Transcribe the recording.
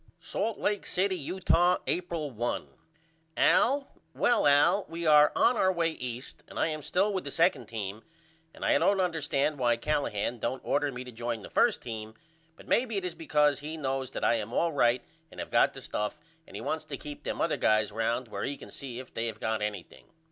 Salt Lake City, Utah, April 1. AL: Well Al we are on our way East and I am still with the 2d team and I don't understand why Callahan don't order me to join the 1st team but maybe it is because he knows that I am all right and have got the stuff and he wants to keep them other guys round where he can see if they have got anything.